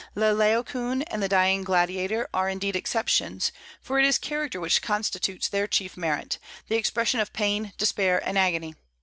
The Laocoön and the Dying Gladiator are indeed exceptions, for it is character which constitutes their chief merit, the expression of pain, despair, and agony.